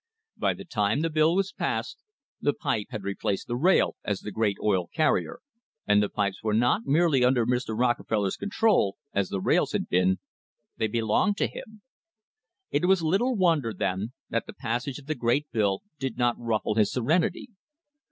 By the time the bill was passed the pipe had replaced the rail as the great oil carrier, and the pipes were not merely under Mr. Rockefeller's control, as the rails had been; they belonged to him. It was little wonder, then, that the passage of the great bill did not ruffle his serenity.